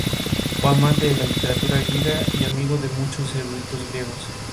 Fue amante de la literatura griega y amigo de muchos eruditos griegos.